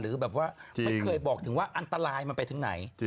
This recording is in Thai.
แบบว่าไม่เคยบอกถึงว่าอันตรายมันไปถึงไหน